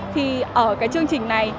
thì ở cái chương trình này